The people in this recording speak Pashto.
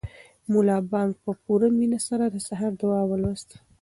ملا بانګ په پوره مینه سره د سهار دعا ولوسته.